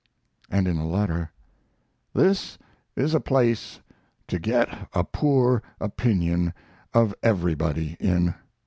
And in a letter: This is a place to get a poor opinion of everybody in.